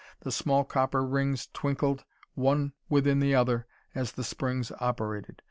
The small copper rings twinkled one within the other as the springs operated.